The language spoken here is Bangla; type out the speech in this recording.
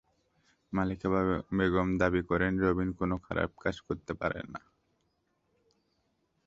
মালেকা বেগম দাবি করেন, রবিন কোনো খারাপ কাজ করতে পারে না।